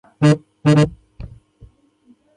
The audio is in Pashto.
آیا د خرقه مطهره زیارت ته خلک ځي؟